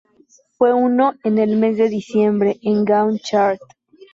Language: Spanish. Fue número uno en el mes de diciembre en Gaon Chart.